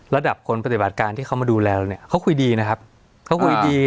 ระดับคนปฏิบัติการที่เขามาดูแลเนี่ยเขาคุยดีนะครับเขาคุยดี